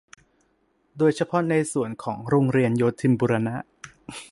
โดยเฉพาะในส่วนของโรงเรียนโยธินบูรณะ